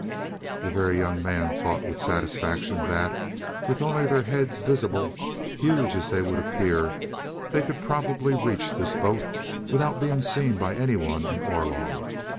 The Very Young Man thought with satisfaction that, with only their heads visible, huge as they would appear, they could probably reach this boat without being seen by any one in Orlog.